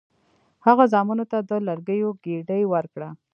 هغه زامنو ته د لرګیو ګېډۍ ورکړه.